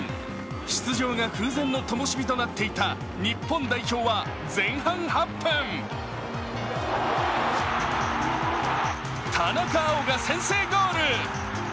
出場が風前の灯火となっていた日本代表は前半８分、田中碧が先制ゴール。